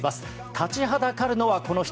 立ちはだかるのは、この人。